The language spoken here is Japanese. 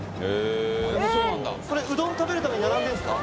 それうどん食べるために並んでるんですか？